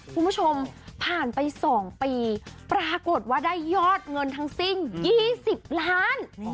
คุณผู้ชมผ่านไป๒ปีปรากฏว่าได้ยอดเงินทั้งสิ้น๒๐ล้าน